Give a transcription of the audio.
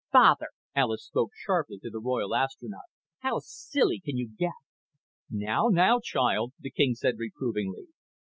"Father!" Alis spoke sharply to the Royal Astronaut. "How silly can you get?" "Now, now, child," the king said reprovingly.